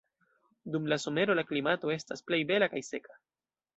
Dum la somero la klimato estas plej bela kaj seka.